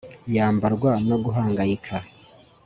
Yambarwa no guhangayika